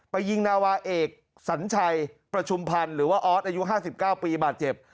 ยิงนาวาเอกสัญชัยประชุมพันธ์หรือว่าออสอายุ๕๙ปีบาดเจ็บ